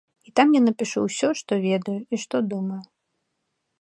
І там я напішу ўсё, што ведаю і што думаю.